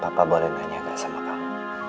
papa boleh tanya gak sama kamu